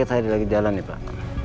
saya lagi jalan nih pak